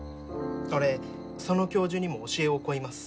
俺その教授にも教えを請います。